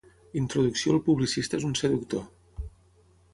Introducció el publicista és un seductor.